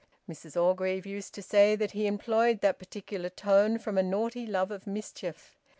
Mrs Orgreave used to say that he employed that particular tone from a naughty love of mischief.